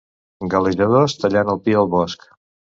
Galejadors tallant el pi al bosc.